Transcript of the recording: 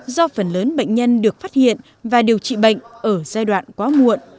do phần lớn bệnh nhân được phát hiện và điều trị bệnh ở giai đoạn quá muộn